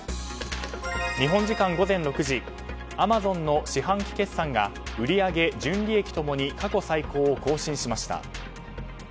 日本時間午前６時アマゾンの四半期決算が売り上げ・純利益共に過去最高を更新しました。